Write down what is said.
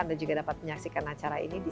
anda juga dapat menyaksikan acara ini